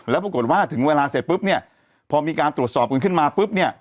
แล้วปรากฏว่าถึงเวลาเสร็จปุ๊บเนี่ยพอมีการตรวจสอบกันขึ้นมาปุ๊บเนี่ย